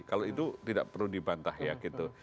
kalau itu tidak perlu dibantah ya gitu